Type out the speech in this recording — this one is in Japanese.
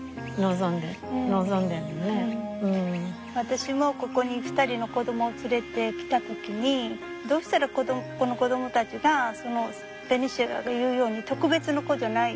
私もここに２人の子供を連れてきた時にどうしたらこの子供たちがベニシアが言うように特別な子じゃない。